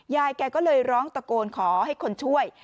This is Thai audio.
ยายแกก็เลยร้องตะโกนขอให้คนช่วย